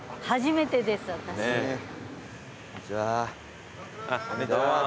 初めてです私。